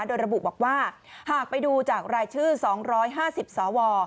โดยระบุบอกว่าหากไปดูจากรายชื่อ๒๕๐สว